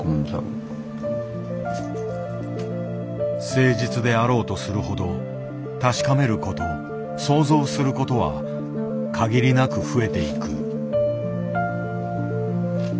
誠実であろうとするほど確かめること想像することは限りなく増えていく。